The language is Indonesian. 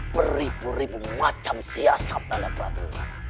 beribu ribu macam siasat nanda prabu